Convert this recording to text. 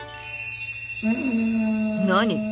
何？